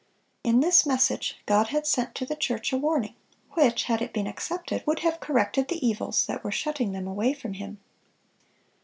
In this message, God had sent to the church a warning, which, had it been accepted, would have corrected the evils that were shutting them away from Him.